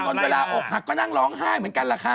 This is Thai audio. พอทานเวลาอกหักก็นั่งร้องฮ่าเหมือนกันแหละค่ะ